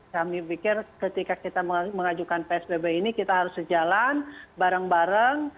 kami pikir ketika kita mengajukan psbb ini kita harus sejalan bareng bareng